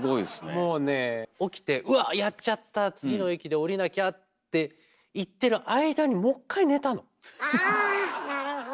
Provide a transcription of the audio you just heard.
もうね起きて「うわっやっちゃった次の駅で降りなきゃ」って言ってる間にああなるほど。